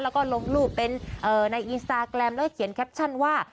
แล้วก็ลงรูปเป็นในอินสตาแกรมแล้วก็เขียนแคปชั่นว่า